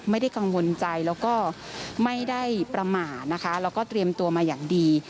ไม่ได้กังวลใจแล้วก็ไม่ได้ประมาทนะคะแล้วก็เตรียมตัวมาอย่างดี